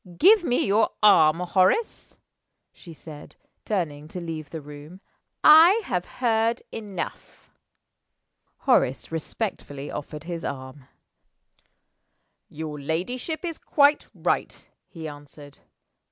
"Give me your arm, Horace," she said, turning to leave the room. "I have heard enough." Horace respectfully offered his arm. "Your ladyship is quite right," he answered.